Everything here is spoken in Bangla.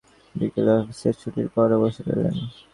বিকেলে অফিসের ছুটির পরও বসে রইলেন।